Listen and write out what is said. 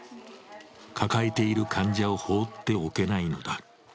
抱えている患者を放っておけないのだ。